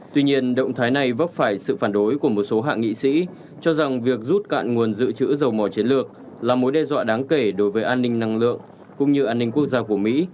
tuy nhiên động thái này vấp phải sự phản đối của một số hạ nghị sĩ cho rằng việc rút cạn nguồn dự trữ dầu mỏ chiến lược là mối đe dọa đáng kể đối với an ninh năng lượng cũng như an ninh quốc gia của mỹ